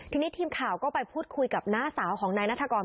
ทีนี้ทีมข่าวก็ไปพูดคุยกับน้าสาวของนายนัฐกร